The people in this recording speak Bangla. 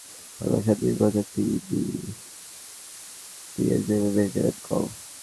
অর্থাৎ, সারা জীবনের মতোই ভালোবাসার দিনগুলোতে তিনি দেবেন বেশি, নেবেন কম।